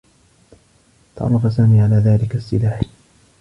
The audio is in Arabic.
تعرّف سامي على ذلك السّلاح.